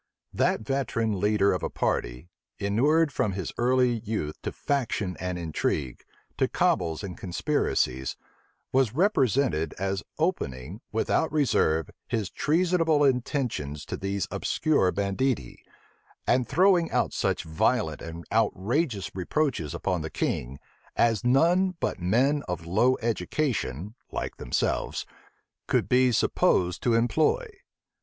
That veteran leader of a party, inured from his early youth to faction and intrigue, to cabals and conspiracies, was represented as opening, without reserve, his treasonable intentions to these obscure banditti, and throwing out such violent and outrageous reproaches upon the king, as none but men of low education, like themselves, could be supposed to employ.